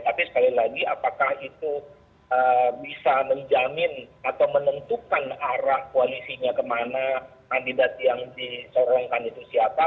tapi sekali lagi apakah itu bisa menjamin atau menentukan arah koalisinya kemana kandidat yang disorongkan itu siapa